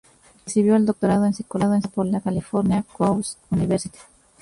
Recibió el doctorado en psicología por la California Coast University.